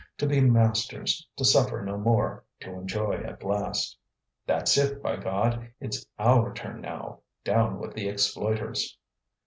to be masters, to suffer no more, to enjoy at last! "That's it, by God! it's our turn now! Down with the exploiters."